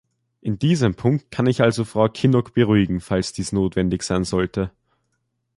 In diesen Punkt kann ich also Frau Kinnock beruhigen falls dies notwendig sein sollte.